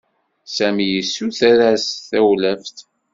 Sami yessuter-as tawlaft.